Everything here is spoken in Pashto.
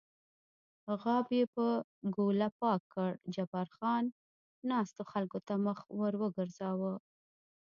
غاب یې په ګوله پاک کړ، جبار خان ناستو خلکو ته مخ ور وګرځاوه.